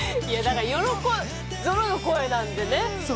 いやだから、ゾロの声なんでね。